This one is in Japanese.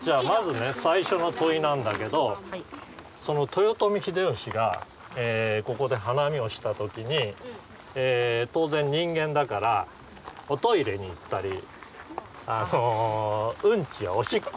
まずね最初の問いなんだけどその豊臣秀吉がここで花見をした時に当然人間だからおトイレに行ったりああそううんちやおしっこをした。